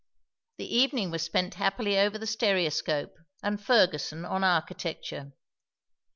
The evening was spent happily over the stereoscope and Fergusson on Architecture.